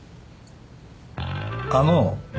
あの。